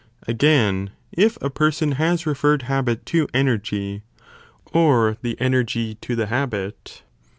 . Aaaln, if a person has referred habit to energy, or the energy to the habit